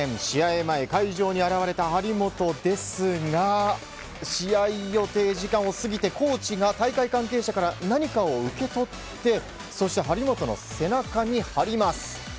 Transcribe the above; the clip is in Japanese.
試合前、会場に現れた張本ですが試合予定時間を過ぎてコーチが大会関係者から何かを受け取ってそして、張本の背中に貼ります。